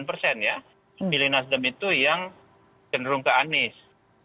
pemilih nasdem itu yang cenderung ke anies